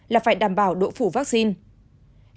là phải đảm bảo độ phủ vaccine